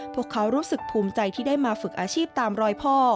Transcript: พวกเขารู้สึกภูมิใจที่ได้มาฝึกอาชีพตามรอยพ่อ